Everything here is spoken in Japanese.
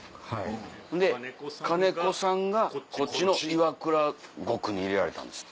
んで金子さんがこっちの岩倉獄に入れられたんですって。